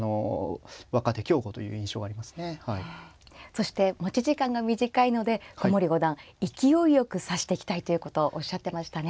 そして持ち時間が短いので古森五段勢いよく指していきたいということをおっしゃってましたね。